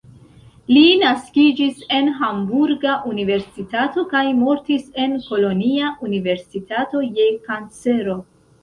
Li naskiĝis en Hamburga Universitato kaj mortis en Kolonja Universitato je kancero.